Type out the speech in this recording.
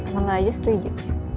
emang gak aja setuju